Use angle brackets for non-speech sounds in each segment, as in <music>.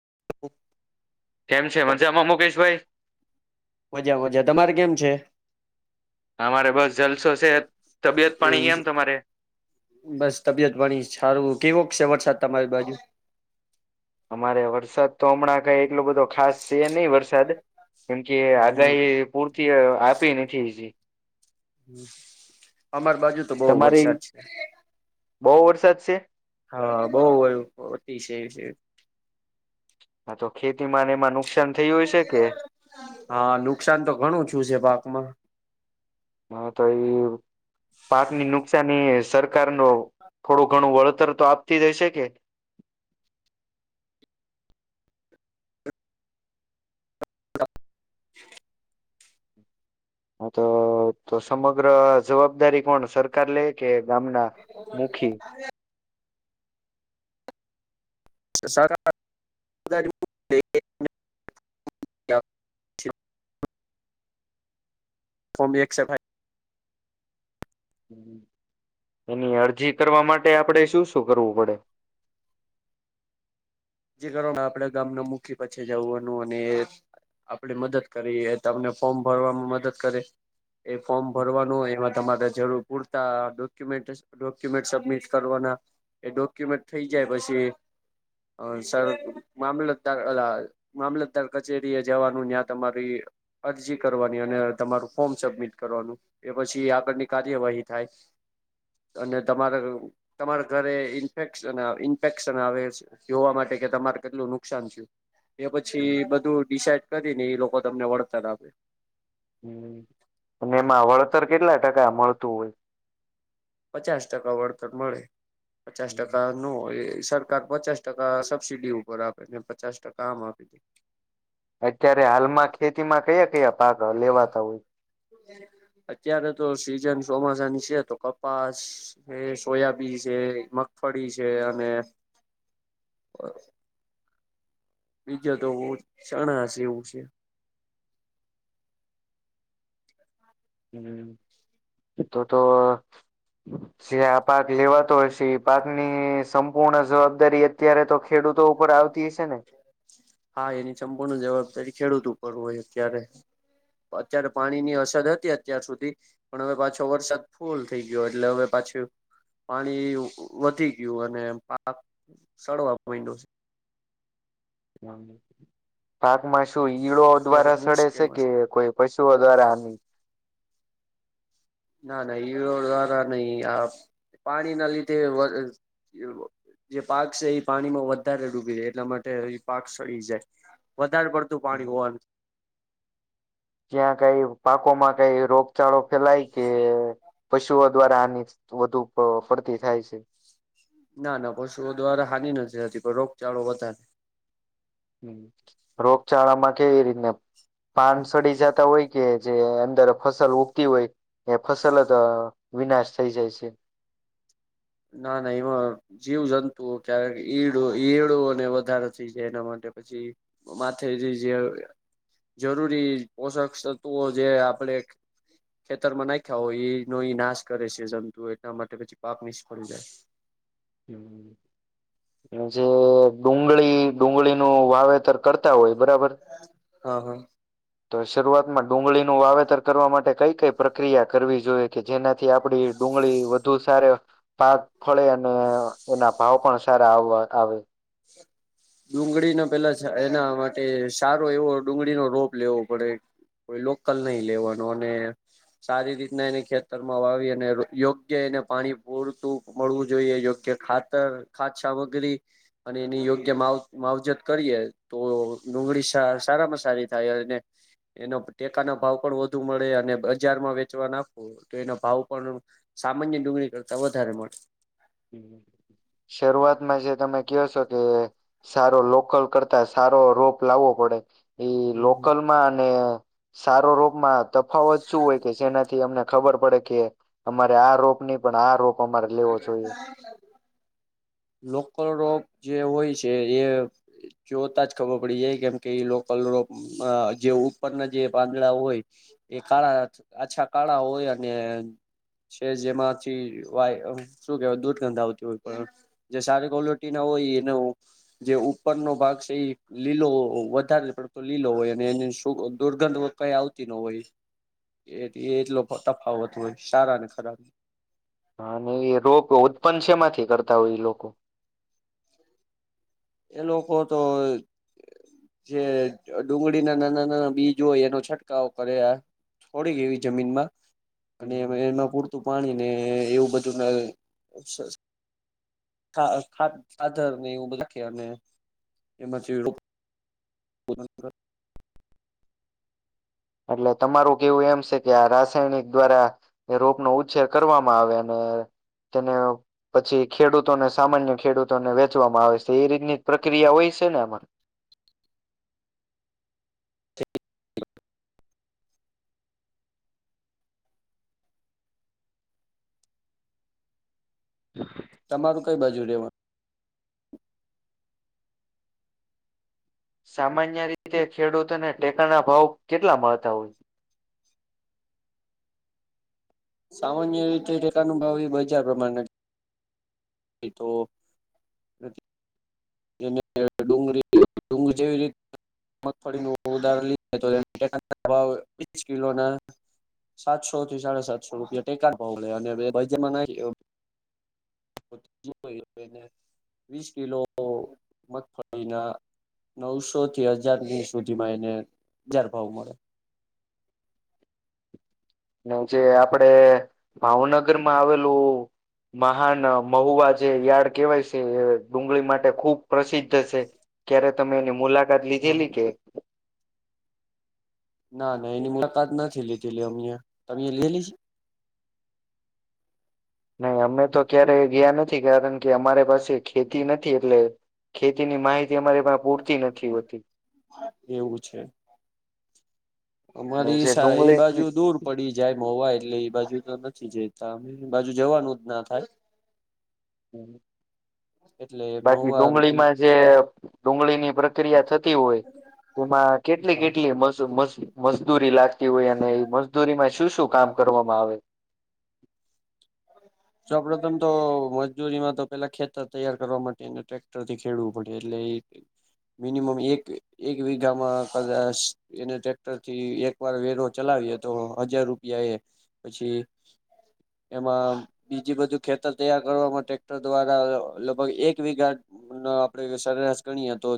<inaudible> કેમ છે મજમાં મુકેશભાઈ. મજા મજા તમારે કેમ છે. અમારે બસ જલસો છે. તબિયત પાણી એવું કેમ છે તમારે બસ તબિયત ભણી સારું કેવો છે વરસાદ. તમારી બાજુ. અમારે વરસાદ તો હમણાં કઈ એટલોું બધો ખાસ છે નહી વરસાદ. કેમ કે હમ આગાહી પૂરતી આપી નથી હજી. અમાર બાજુ તો બહુ વરસાદ છે. સાદ છે. હા બોવ અતિશય છે. હા તો ખેતીમાંને એ માનું હા નુકસાન તો ઘણું છું છે પાકમાં. હા. તો એઈ પાકની નુકશની એ સરકાર ન થોડું ઘણું વળ આપ <unintelligible> <inaudible> હા તો તો સમગ્ર જવાબદારી કોણ સરકાર લે કે ગામના મુખી સરકાર <unintelligible> ક છે ફમ એકસે એની અરજી કરવા માટે આપણેે શું શું કરવું પડે <inaudible> જે કારણ આપડે ગામના મુખી પછી જવવાનું અને આપણે મદદ કરી તમને ફોર્મ ભરવામાં મદદ કરે એ ફોર્મ ભરવાનું એમાં તમારે જરૂર પૂરતા ડોક્યુમેન્ટ ડોક્યુમેન્ટ સબમિટ કરવાના એ ડોક્યુમેન્ટ થઈ જાય પછી સર મામલતદાર અ મામલતદાર કચેરી એ જવાનું ત્યા તમારી અરજી કરવાની અને તમારું ફોર્મ સબમિટ કરવાનું એ પછી આગળની કાર્યવાહી થાય અને તમારે તમારા ઘરે ઇન્ફેક્શન ઇન્ફેક્શન આવે છે જોવા માટે કે તમારે કેટલું નુકસાન થયું એ પછી બધું ડિસાઇડ કદી ને એ લોકો તમને વળતર આપે. હમ્મ અને એમાં વળતર કેટલા ટકા મળતું હોય પચાસ ટકા વળતર મળે પચાસ ટકા નો હોય. સરકાર પચાસ ટકા સબસીડી ઉપર આપે ને પચાસ ટકા આમ આપી દે <inaudible> <unintelligible> અત્યારે તો સીઝન ચોમાસાની છે, તો કપાસ, સોયાબીન છે, મ પડી છે અને <inaudible> <unintelligible> બીજો તો બહ ચણા છે એવું છે હમ્મ તો તો જે આ પાક લેવાતો હશે એ પાકની સંપૂર્ણ જવાબદારી અત્યારે તો ખેડૂત તો ઉપર આવતી હશે ને હા એની સંપૂર્ણ જવાબદારી ખેડૂત ઉપર હોય અત્યારે અત્યારે પાણી ની અસર હતી અત્યાર સુધી પણ હવે પાછો વરસાદ ફૂલ થઈ ગયો એટલે હવે <unintelligible> પાણી વધી ગયું અને પાક સળવા મંડ્યો <unintelligible> એમાં શું ઈળો છે અત્યારે દ્વારા મુશ્કેલમાં સડે છે કે કોઈ પશુઓ દ્વારા હાની ના ના એ દારા નહી આપ પાણી ના લીધે જે પાક છે એ પાણીમાં વધારે ડૂબી જાય એટલા માટે એ પાક સડી જાય વધારે પડતું પાણી હોવાનું ત્યાં કઈ પાકો માં કઈ રોગચાળો ફેલાય કે? પશુઓ દ્વારા આની વધુ ફ ફરતી થાય છે. ના ના પશુઓ દ્વારા હાનિ નથી થતી પર રોગચાળો વધારે રોગચાળામાં કેવી રીતને પાન સડી જતા હોય કે જે અંદર ફસલ ઉગતી હોય એ ફસલ તો વિનાશ થઈ જાય છે ના ના એમાં જીવ જંતુઓ ક્યારેક ઈડો ઇયળો વધારે થઈ જાય એના માટે પછી માથે જે જે જરૂરી પોષક તત્વઓ જે આપડે ખેતર માં નાખ્યા હોય એ નો નાશ કરે છે જંતુઓ એટલા માટે પાક નિસ <inaudible> જે ડુંગળી ડુંગળીનું વાવેતર કરતા હોય બરાબર. હા હા તો શરૂઆતમાં ડુંગળીનું વાવેતર કરવા માટે કઈ કઈ પ્રક્રિયા કરવી જોઈએ કે જેનાથી થી આપડી ડુંગળી વધુ સાર ભાગ ફળે અને એના ભાવ પણ સારા આવવા આવે. ડુંગળીના પેલા એના માટે સારો એવો ડુંગળીનો રોપ લેવો પડે. કોઈ લોકલ નહી લેવાનું અને સારી રીતના એને ખેતરમાં વાવી અને યોગ્ય એને પાણી પૂરતું મળવું જોઈએ યોગ્ય કે ખાતર ખાતછા વગેરી અને એની યોગ્ય કે માવ માવજત કરીએ તો ડુંગળી સારામાં સારી થાય અને એનો ટેકાના ભાવ પણ વધુ મળે અને બજારમાં વેચવા નાખો તો એનો ભાવ પણ સામાન્ય ડુંગળી કરતા વધારે મળે. <inaudible> શરૂઆતમાં જે તમે કયો છો કે સારો લોકલ કરતા સારો રોપ લાવવો પડે પડે લોકલ માં અને સારો રોપમાં તફાવત શું હોય કે જેનાથી અમને ખબર પડે કે અમારે આ રોપ ની પણ આ રોપ કો મારે લેવો જોઈએ. લોકલ રોપ જે હોય છે એ જોતા જ ખબર પડી જાય કેમ કે લોકલ જે ઉપરના જે પાંદડા હોય એ કાળા આછા કાળા હોય અને છે જેમાંથી વાય શું કેવાય દૂધ ગંધ આવતી હોય જે સારી ક્વોલિટી ના હોય એ જે ઉપર નો ભાગ છે એ લીલો વધારે પડતો લીલો હોય અને એ દુર્ગંધ વધારે આવ નો હોય એ એટલો તફાવત હોય સારા ને ખરાબ હા અને એ રોગ ઉત્પન્ન સેમાંથી કરતા હોય એ લોકો. એ લોકો તો જે ડુંગળી ના નાના નાના બીજ હોય એનો છંટકાવો કરે આ થોડી કેવી જમીન માં અને હમ એમાં પૂરતું પાણી ને એવું બધું ન હા ખાતર ને એવું બધું નથી એમાંથી <inaudible> એટલે તમારું કેવું એમ છે કે આ રાસાયણિક દ્વારા એ રોપ નો ઉછેર કરવામાં આવે અને તેને પછી ખેડૂતોને સામાન્ય ખેડૂતોને વેચવામાં આવે છે એ રીતની પ્રક્રિયા હોય છે આમા તમારું કઈ બાજુ રેવાનું સામાન્ય રીતે ખેડૂતોને ટેકાના ભાવ કેટલા મળતા હોય. સામાન્ય રીતે ટેકા નો ભાવ એ બજાર પ્રમાણ તો નથી. ડુંગરી ડુંગરી જેવી રીતે મગફળીનું ઉદારણ લઈ તો <unintelligible> કિલો ના સાતસો થી સાડા સાતસો રૂપિયા ટેકા જ ભાવ લે અને વજનમાં નાખી એ તો એને વીસ કિલો મગફળીના નવસો થી હજાર સુધીમાં એને હજાર ભાવ મળે. <inaudible> જે આપડે ભાવનગર માં આવેલું મહાન મહુવા જે યાર્ડ કેવાય છે એ ડુંગળી માટે ખૂબ પ્રસિદ્ધ છે ક્યારે તમે એની મુલાકાત લીધેલી કે ના ના એની મુલાકાત નથી લીધીલી અમે તમે લેલીશ <inaudible> નહી અમે તો ક્યારે ગયા નથી કારણ કે અમારે પાસે ખેતી નથી એટલે ખેતીની માહિતી અમારી પણ પૂરતી નથી હોતી છે એવું છે અમારી જે એ ડુંગળી બાજુ દૂર પડી જાય મોવા એટલે એ બાજુ તો નથી પછી જયતા બાજુ જવાનું જ ના થાય <inaudible> એટલે બાકી મહુવા અમે ડુંગળીમાં જે ડુંગળીની પ્રક્રિયા થતી હોય એમાં કેટલી હા કેટલી મ મજદૂરી લાગતી હોય અને એ મજદૂરીમાં શું શું કામ કરવામાં આવે <inaudible> સૌપ્રથમ તો મજૂરીમાં તો પેલા ખેતર તૈયાર કરવા માટેને ટ્રેક્ટર થી ખેડવું પડે એટલે એજ મિનિમમ એક એક વિઘામાં કદાચ એને ટ્રેક્ટરથી એક વાર વેરો ચલાવે તો હજાર રૂપિયા એ પછી <inaudible> એમાં બીજી બધું ખેતર તૈયાર કરવામાં ટ્રેક્ટર દ્વારા લગભગ એક વિઘા આપડે સરેરાશ ગણીએ તો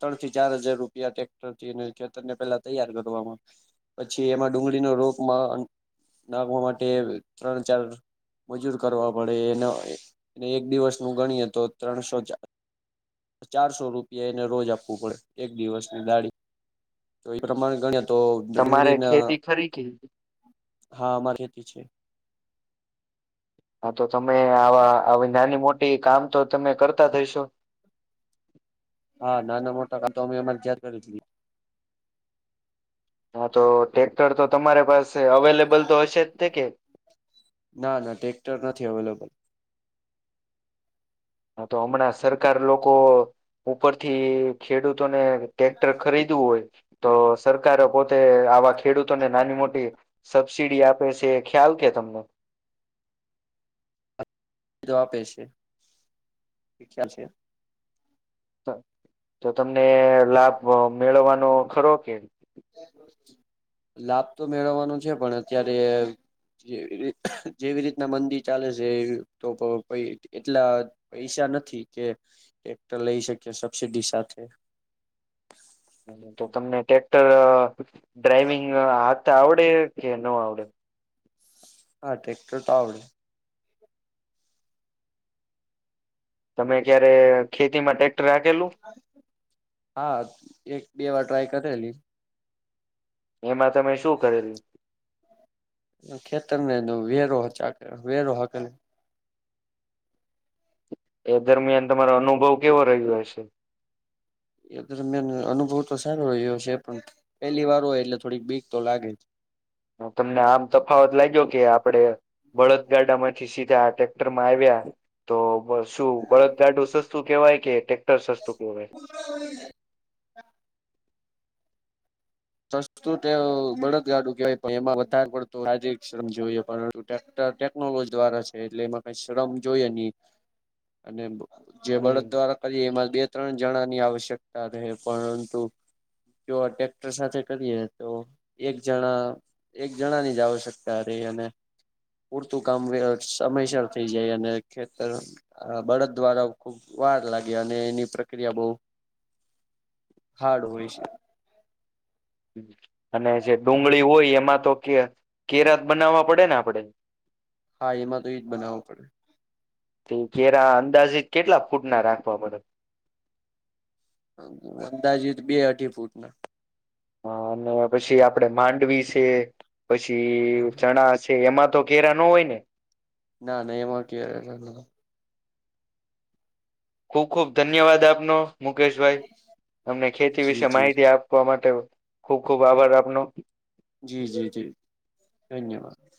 ત્રણ થી ચાર હજાર રૂપિયા ટક્ટર થી ખેતરને પેલા તૈયાર કરો પછી એમાં ડુંગળીનો રોપ નાખવા માટે ત્રણ ચાર મજૂર કરવા પડે એ એને એક દિવસનું ગણી તો ત્રણસો ચાર ચારસો રૂપિયા એને રોજ આપવું પડે એક દિવસની દાઢી તો એ પ્રમાણે ગણ્યા તો તમારે ડુંગળીના ખેતી ખરી કે હામારી ખેતી છે હા તો તમે આવા નાની મોટી કામ તો તમે કરતા થઈશો હા નાના મોટા કામ તો અમે અમારે તયાદ કરી હા તો ટટેક્ટર તો તમારે પાસે અવેલેબલ તો હશે જ કે ના ના ટ્રેક્ટર નથી અવેલેબલ હા તો હમણાં સરકાર લોકો ઉપરથી ખેડૂતોને ટટેક્ટર ખરીદવું હોય તો સરકારે પોતે આવા ખેડૂતોને નાની મોટી સબસીડી આપે છે ખ્યાલ કે તમને જો આપે છે ખ્યાલ છે તો તમને લાભ મેળવવાનો ખરો કે. લાભ તો મેળવવાનો છે પણ અત્યારે. જે જેવી રીતના મંદિ ચાલે છે તો એટલા પૈસા. નથી કે ટ્રેક્ટર લઈ શકીએ સબસીડી સાથે. <unintelligible> તો તમને ટ્રેક્ટર ડ્રાઈવિંગ હાથ આવડે કે ન આવડે. હા ટ્રેક્ટર તો આવડે. તમે ક્યારે ખેતીમાં ટ્રેક્ટર હાંકેલું. હા એક બે વાર ટ્રાય કરેલી. એમાં તમે શું કરેલું. ખેતર ને વેરો ચ વેરો હાકેલો. એ દરમિયાન તમારો અનુભવ કેવો રહ્યો હશે. એ દરમિયાન અનુભવ તો સારો રહ્યો છે પણ પેલી વાર હોય એટલે થોડીક બીક તો લાગે જ. હ તમને આમ તફાવત લાઈગો કે આપડે. બળદગાડા માંથી સીધા આ ટ્રેક્ટર માં આવ્યા તો. તો શું બળદ ગાડું સસ્તું કહેવાય કે ટેક્ટર સસ્તું કહેવાય. સસ્તું તેવું બળદગાડું કહેવાય પણ એમાં વધારે પડત રાજ્ય શ્રમ જોએ પરંતુ ટ્રેક્ટર. ટેકનોલોજી દ્વારા છે એટલે એમાં કઈ શ્રમ જોઈએ નહી અને. જે બળદ હમ દ્વારા કરીએ એમાં બે. ત્રણ જણા ની આવશ્યકતા રહે પરંતુ જો. સાથે કરીએ તો એક જણા એક જણાની જ આવશ્યકતા રે અને. પૂરતું કામ સમયસર થઈ જાય અને ખેતર બળદ દ્વારા ખુબ. વાર લાગે અને એની પ્રક્રિયા બહુ. <unintelligible> હાર્ડ હોય છે. અને જે ડુંગળી હોય એમાં તો કે કેરાત બનાવવા પડે ને આપડે. હા એમાં તો એ જ બનાવવો પડે. અંદાજે કેટલા ફૂટ ના રાખવા પડે. અંદાજીત બે અઢી ફૂટ ના. હ અને પછી આપડે માંડવી છે, પછી ચણા છે, એમાં. તો કેરા નો હોય ને. ના ના એમાં કેરા ન. ખુબ ખુબ ધન્યવાદ આપનો મુકેશભાઈ અમને ખેતી જી વિશે જી માહિતી આપવા માટે. ખુબ ખુબ આભાર આપનો. જી જી જી ધન્યવાદ.